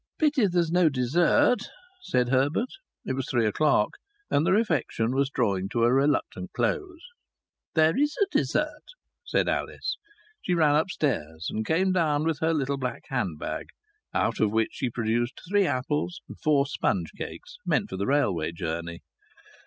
"Pity there's no dessert," said Herbert. It was three o'clock, and the refection was drawing to a reluctant close. "There is a dessert," said Alice. She ran upstairs, and came down with her little black hand bag, out of which she produced three apples and four sponge cakes, meant for the railway journey.